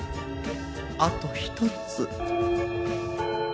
あと一つ。